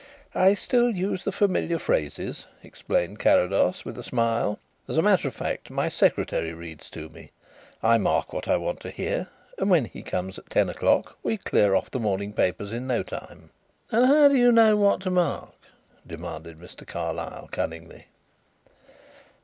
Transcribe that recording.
"I still use the familiar phrases," explained Carrados, with a smile. "As a matter of fact, my secretary reads to me. I mark what I want to hear and when he comes at ten o'clock we clear off the morning papers in no time." "And how do you know what to mark?" demanded Mr. Carlyle cunningly.